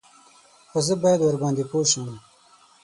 _خو زه بايد ورباندې پوه شم.